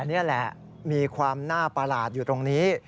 นี่แหละมีความน่าประหลาดอยู่ตรงนี้